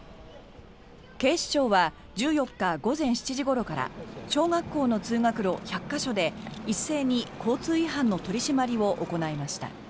警視庁は１４日午前７時ごろから小学校の通学路１００か所で一斉に交通違反の取り締まりを行いました。